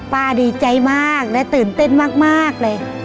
ดีใจมากและตื่นเต้นมากเลย